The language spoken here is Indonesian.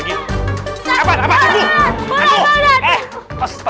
gak ada apa apa